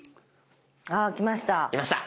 あ来ました。